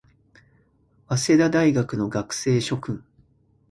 早稲田大学の学生諸君